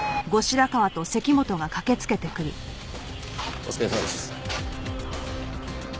お疲れさまです。